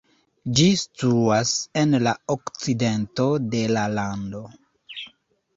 Ĝi situas en la okcidento de la lando.